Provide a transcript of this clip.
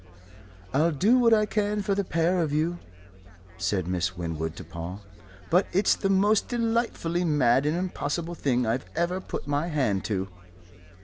"I'll do what I can for the pair of you," said Miss Winwood to Paul. "But it's the most delightfully mad and impossible thing I've ever put my hand to."